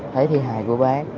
thấy thi hài của bác